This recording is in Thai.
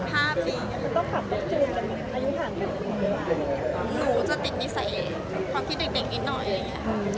หนูจะติดนิสัยเองเพราะที่เด็กนิดหน่อย